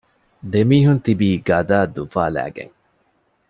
ދެމީހުން ތިބީ ގަދައަށް ދުފާލައިގެން